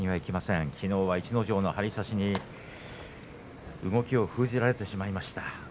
きのうは逸ノ城の張り差しに動きを封じられてしまいました。